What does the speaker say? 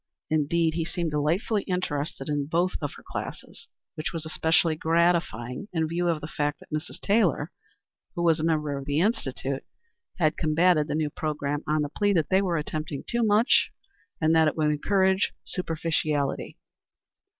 Indeed he seemed delightfully interested in both of her classes, which was especially gratifying in view of the fact that Mrs. Taylor, who was a member of the Institute, had combated the new programme on the plea that they were attempting too much and that it would encourage superficiality.